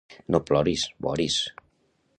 No ploris, Boris!